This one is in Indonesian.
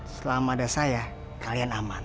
selama ada saya kalian aman